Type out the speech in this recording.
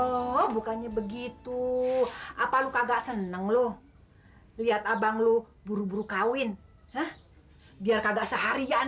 oh bukannya begitu apa lu kagak seneng lu lihat abang lu buru buru kawin ya biar kagak seharian